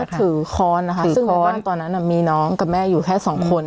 แล้วก็ถือค้อนนะคะซึ่งในบ้านตอนนั้นอะมีน้องกับแม่อยู่แค่สองคน